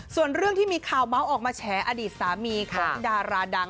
ส่วนเรื่องที่คำจดสามารถออกมาแชร์อดีตศามีข้างดาราดัง